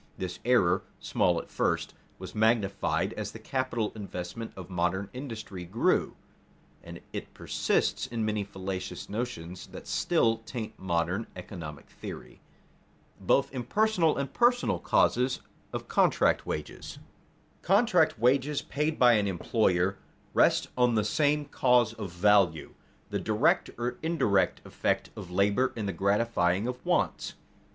This error, small at first, was magnified as the capital investment of modern industry grew, and it persists in many fallacious notions that still taint modern economic theory. [Sidenote: Both impersonal and personal causes of contract wages] 3. _Contract wages, paid by an employer, rest on the same cause of value, the direct or indirect effect of labor in the gratifying of wants.